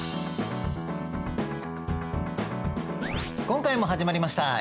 今回も始まりました